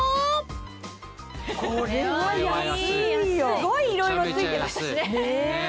すごいいろいろ付いてましたしね。